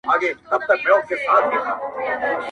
په سلو وهلی ښه دئ، نه په يوه پړ-